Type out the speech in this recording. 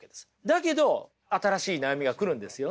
だけど新しい悩みが来るんですよね。